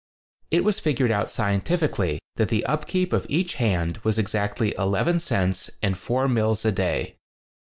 It was figured out scientifically that the upkeep of each hand was exactly 11 cents and four mills a day.